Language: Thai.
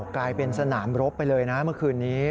กลายเป็นสนามรบไปเลยนะเมื่อคืนนี้